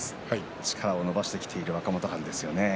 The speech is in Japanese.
力を伸ばしてきている若元春ですよね。